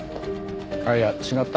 ああいや違った？